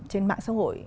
trên mạng xã hội